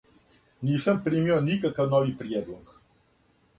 Нисам примио никакав нови приједлог.